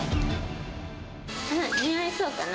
似合いそうかな？